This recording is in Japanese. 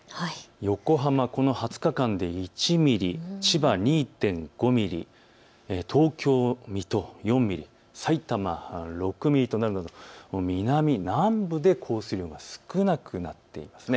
横浜、この２０日間で１ミリ、千葉２．５ミリ、東京、水戸４ミリ、さいたま６ミリなど、南、南部で降水量が少なくなっています。